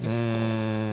うん。